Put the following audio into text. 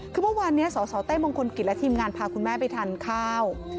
คือเมื่อวานนี้สสเต้มงคลกิจและทีมงานพาคุณแม่ไปทานข้าว